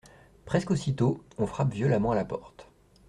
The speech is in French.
Presque aussitôt on frappe violemment à la porte.